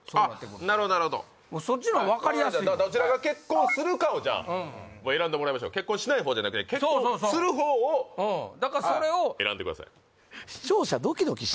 なるほどなるほどそっちの方が分かりやすいわどちらが結婚するかをじゃあ選んでもらいましょう結婚しない方じゃなくて結婚する方をだからそれを選んでください